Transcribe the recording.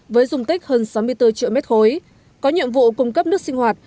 với dung tích hơn sáu mươi bốn triệu mét khối có nhiệm vụ cung cấp nước sinh hoạt